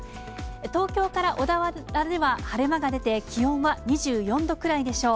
東京から小田原では晴れ間が出て、気温は２４度くらいでしょう。